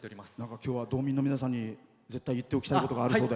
きょうは道民の皆さんに絶対言っておきたいことがあるそうで。